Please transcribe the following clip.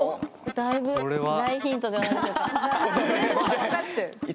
だいぶ大ヒントではないでしょうか。